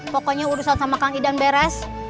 pokoknya urusan sama kang idang beres